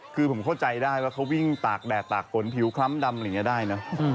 คือผมเข้าใจได้ว่าเขาวิ่งตากแดดตากฝนผิวคล้ำดำอะไรอย่างนี้ได้เนอะ